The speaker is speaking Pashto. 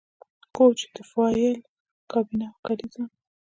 کوچ د فایل کابینه او کلیزه